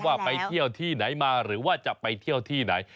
ว่าไปเที่ยวที่ไหนมาหรือว่าจะไปเที่ยวที่ไหน